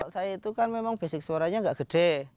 saya itu kan memang basic suaranya gak gede